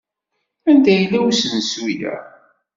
Anda yella usensu-a?